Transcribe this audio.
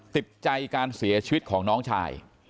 ติดใจการเสียชีวิตของน้องชาย